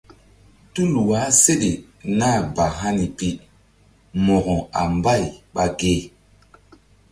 Tul wah seɗe nah ba hani pi mo̧ko a mbay ɓa ge?